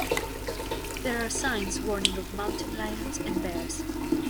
There are signs warning of mountain lions and bears.